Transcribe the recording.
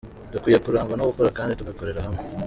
Dukwiye kurangwa no gukora kandi tugakorera hamwe.”